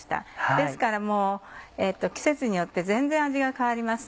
ですからもう季節によって全然味が変わります。